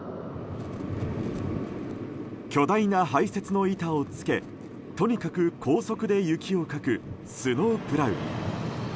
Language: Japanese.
巨大な排雪の板をつけとにかく高速で雪をかくスノープラウ。